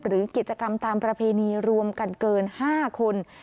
หรือกิจกรรมตามประเพณีรวมกันเกิน๕คน